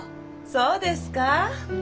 そうですか？